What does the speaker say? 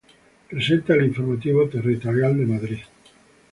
Presenta el Informativo Territorial de Madrid.